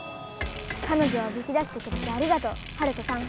彼女をおびき出してくれてありがとうハルトさん。